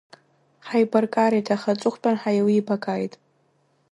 Ҳаибаркареит, аха аҵыхәтәан ҳаилибакааит!